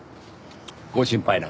ご心配なく。